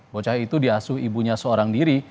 bocah itu diasuh ibunya seorang diri